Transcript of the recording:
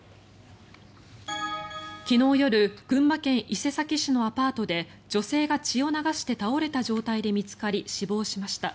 昨日夜群馬県伊勢崎市のアパートで女性が血を流して倒れた状態で見つかり死亡しました。